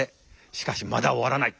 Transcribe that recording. しかしまだ終わらない。